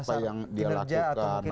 atau mungkin kompetensi